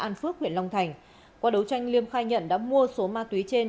an phước huyện long thành qua đấu tranh liêm khai nhận đã mua số ma túy trên